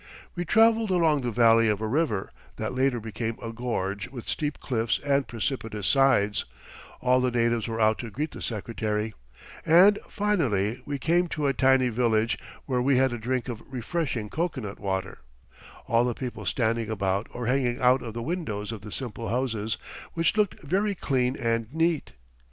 We traveled along the valley of a river, that later became a gorge with steep cliffs and precipitous sides; all the natives were out to greet the Secretary; and finally we came to a tiny village where we had a drink of refreshing cocoanut water, all the people standing about or hanging out of the windows of the simple houses, which looked very clean and neat.